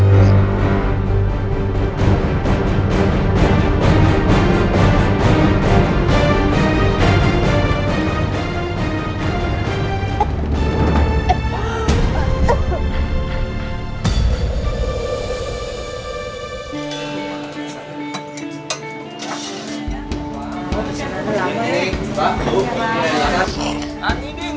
kamu keluar dari rumah ini